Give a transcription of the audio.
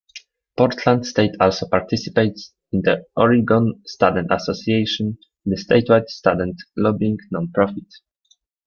Portland State also participates in the Oregon Student Association, the statewide student lobbying non-profit.